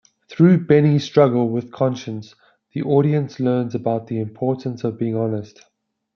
Through Benny's struggle with conscience, the audience learns about the importance of being honest.